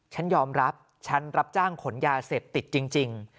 ฉันยอมรับฉันรับจ้างขนยาเสพติดจริง